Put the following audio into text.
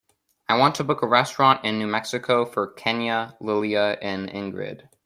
I want to book a restaurant in New Mexico for kenya, lilia and ingrid.